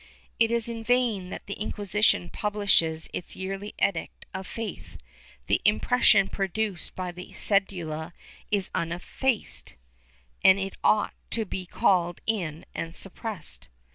It is in vain that the Inquisition publishes its yearly Edict of Faith; the impression produced by the cedula is uneffaced and it ought to be called in and suppressed.